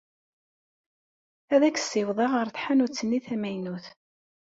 Ad k-ssiwḍeɣ ɣer tḥanut-nni tamaynut.